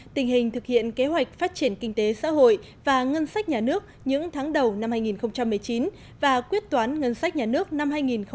tình hình thực hiện kế hoạch phát triển kinh tế xã hội và ngân sách nhà nước những tháng đầu năm hai nghìn một mươi chín và quyết toán ngân sách nhà nước năm hai nghìn một mươi tám